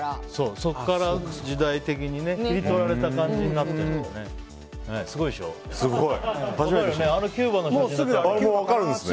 そこから時代的に切り取られた感じになってるんだよね。